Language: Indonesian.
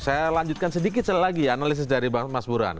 saya lanjutkan sedikit lagi analisis dari mas buran